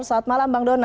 selamat malam bang dona